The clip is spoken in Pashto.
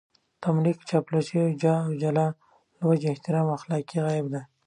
تملق، چاپلوسي او د جاه و جلال له وجهې احترام اخلاقي عيب دی.